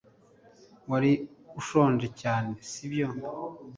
Wari ushonje cyane si byo